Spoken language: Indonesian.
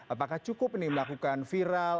apakah cukup ini melakukan viral